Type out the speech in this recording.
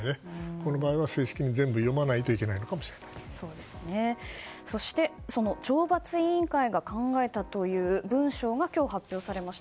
この場合は正式に全部読まないとその懲罰委員会が考えたという文章が今日、発表されました。